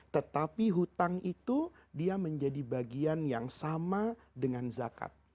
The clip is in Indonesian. tetapi hutang itu dia menjadi bagian yang sama dengan zakat